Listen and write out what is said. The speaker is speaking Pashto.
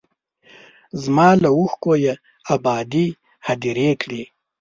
زما له اوښکو یې ابادې هدیرې کړې